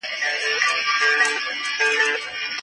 وروسته پاته والی خپل علتونه لري.